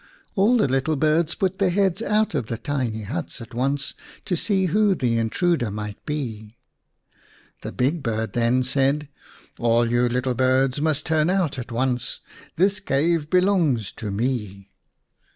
All the little birds put their heads out of the tiny huts at once to see who the intruder might be. The big bird then said, " All you little birds must turn out at once. This cave belongs to me."